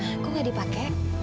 kok enggak dipakai